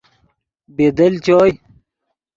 بی دل چوئے۔